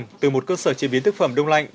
bà hồng là một cơ sở chế biến thức phẩm đông lạnh